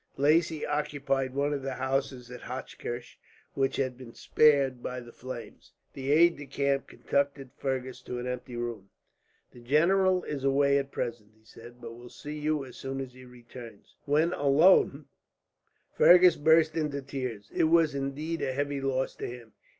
Lacy occupied one of the houses at Hochkirch which had been spared by the flames. The aide de camp conducted Fergus to an empty room. "The general is away at present," he said, "but will see you, as soon as he returns." When alone, Fergus burst into tears. It was indeed a heavy loss to him.